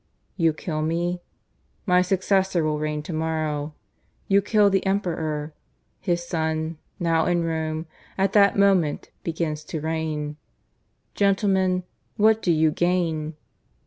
You kill me? My successor will reign to morrow. ... You kill the Emperor; his son, now in Rome, at that moment begins to reign. Gentlemen, what do you gain?